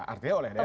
artinya oleh daerah